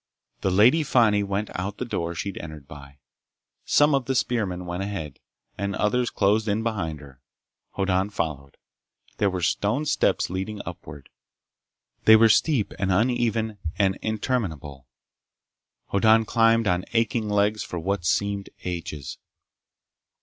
The Lady Fani went out the door she'd entered by. Some of the spearmen went ahead, and others closed in behind her. Hoddan followed. There were stone steps leading upward. They were steep and uneven and interminable. Hoddan climbed on aching legs for what seemed ages.